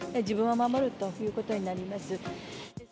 自分を守るということになります。